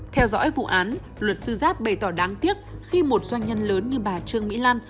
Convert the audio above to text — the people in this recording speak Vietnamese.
theo dõi vụ án luật sư giáp bày tỏ đáng tiếc khi một doanh nhân lớn như bà trương mỹ lan